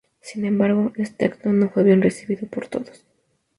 Sin embargo, este acto no fue bien recibido por todos.